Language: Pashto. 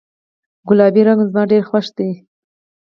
ګلابي رنګ زما ډیر خوښ ده